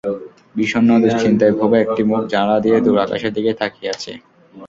বিষণ্ন, দুশ্চিন্তায় ভোগা একটি মুখ জানালা দিয়ে দূর আকাশের দিকে তাকিয়ে আছে।